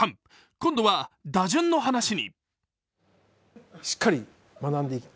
今度は打順の話に。